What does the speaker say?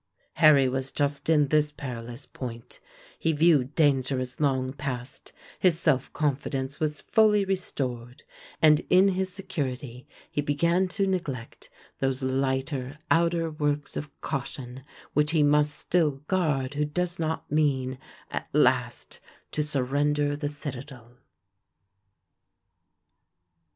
Harry was just in this perilous point; he viewed danger as long past, his self confidence was fully restored, and in his security he began to neglect those lighter outworks of caution which he must still guard who does not mean, at last, to surrender the citadel.